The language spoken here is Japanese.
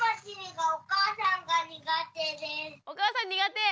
お母さん苦手。